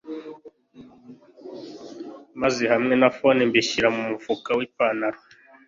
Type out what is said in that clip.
maze hamwe na phone mbishyira mu mufuka wipantaro